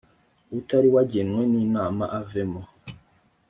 utari uwagenwe n inama avemo.